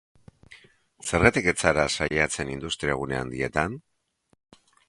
Zergatik ez zara saiatzen industriagune handietan?